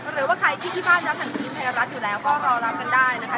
หรือว่าใครที่บ้านรักทางทีมแทนรัฐอยู่แล้วก็รอรับกันได้นะคะ